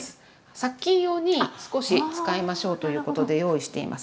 殺菌用に少し使いましょうということで用意しています。